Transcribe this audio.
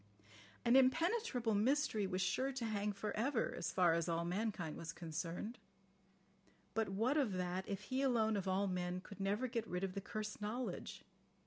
"An impenetrable mystery" was sure "to hang for ever" as far as all mankind was concerned. But what of that if he alone of all men could never get rid of the cursed knowledge?